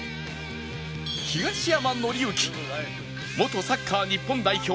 東山紀之元サッカー日本代表槙野